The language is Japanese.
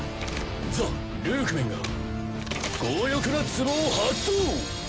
ザ・ルークメンが強欲な壺を発動！